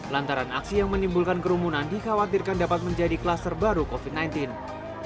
lantaran aksi yang menimbulkan kerumunan dikhawatirkan dapat menjadi kluster baru covid sembilan belas